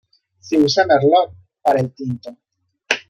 Se usa "merlot" para el tinto.